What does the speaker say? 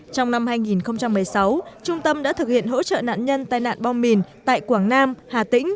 trong năm hai nghìn một mươi sáu trung tâm đã thực hiện hỗ trợ nạn nhân tai nạn bom mìn tại quảng nam hà tĩnh